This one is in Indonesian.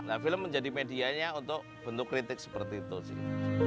nah film menjadi medianya untuk bentuk kritik seperti itu sih